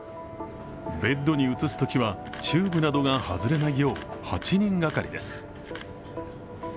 ベッドに移すときはチューブなどが外れないよう８人がかりです。